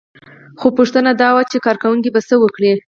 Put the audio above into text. خو پوښتنه دا وه چې کارنګي به څه وکړي